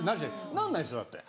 なんないですよだって。